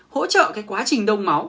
hỗ trợ quá trình đông máu